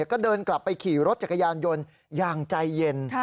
ก็เดินกลับไปขี่รถจักรยานยนต์อย่างใจเย็น